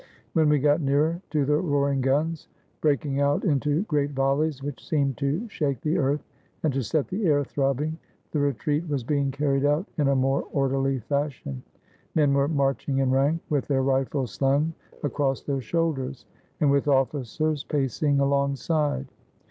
When we got nearer to the roaring guns, breaking out into great volleys which seemed to shake the earth, and to set the air throbbing, the retreat was being carried out in a more orderly fashion. Men were marching in rank, with their rifles slung across their shoulders, and with officers pacing alongside.